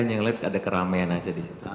hanya melihat ada keramean aja disitu